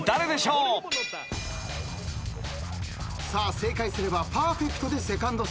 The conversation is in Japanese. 正解すればパーフェクトでセカンドステージ。